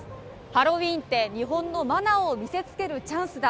ハロウィーンって、日本のマナーを見せつけるチャンスだ。